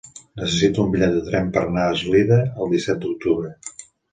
Necessito un bitllet de tren per anar a Eslida el disset d'octubre.